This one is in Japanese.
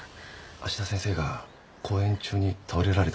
芦田先生が講演中に倒れられたんだ。